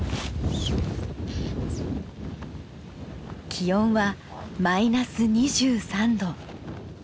気温はマイナス２３度。